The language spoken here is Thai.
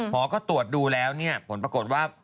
หมอก็ตรวจดูแล้วเนี่ยผลปรากฏว่า